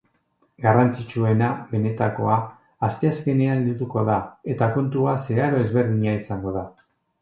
Garrantzitsuena, benetakoa, asteazkenean helduko da eta kontua zeharo ezberdina izango da.